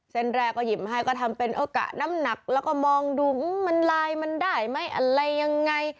เส้นแรกก็หยิบให้ก็ทำเป็นโอกะน้ำหนักแล้วก็มองดูมันลายมันได้ไหมอะไรยังไง